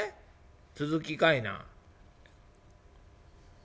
続きかいな」。